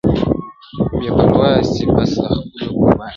بې پروا سي بس له خپلو قریبانو.